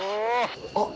あっ。